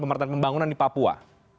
pemerintahan pembangunan di papua